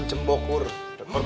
cemburu cemburu oh apaan sih